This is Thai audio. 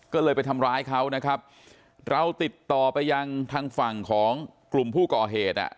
ก็เลยไปทำร้ายเขานะครับเราติดต่อไปยังทางฝั่งของกลุ่มผู้ก่อเหตุอ่ะ